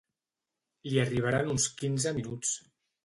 Li arribarà en uns quinze minuts.